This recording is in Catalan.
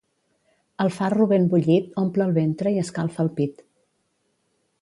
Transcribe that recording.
El farro ben bullit omple el ventre i escalfa el pit.